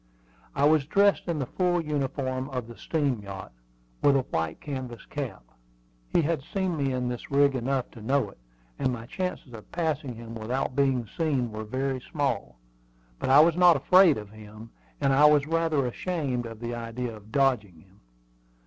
I was dressed in the full uniform of the steam yacht, with a white canvas cap. He had seen me in this rig enough to know it, and my chances of passing him without being seen were very small. But I was not afraid of him, and I was rather ashamed of the idea of dodging him.